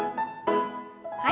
はい。